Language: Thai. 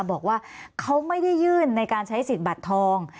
บอกว่าเขาไม่ได้ยื่นในการใช้สิทธิ์บัตรทอง